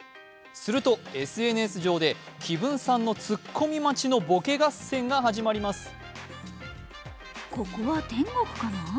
するとＳＮＳ上で、紀文さんのツッコミ待ちのボケ合戦が始まります。